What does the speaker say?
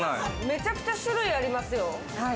めちゃくちゃ種類ありますよ。